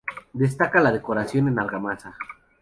Destaca la decoración en argamasa.